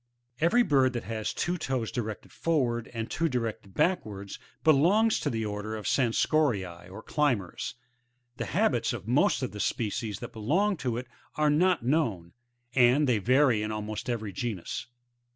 Every bird that has two toes directed forward, and two backwards, belongs to the order of Scansoriae, or Climbers. The habits of most of the species that belong to it are not known ; and they vary in almost every genus.